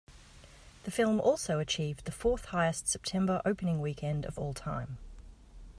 The film also achieved the fourth-highest September opening weekend of all time.